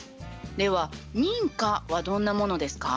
では「認可」はどんなものですか？